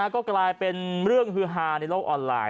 ก็กลายเป็นเรื่องฮือฮาในโลกออนไลน